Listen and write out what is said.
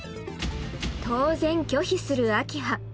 当然拒否する明葉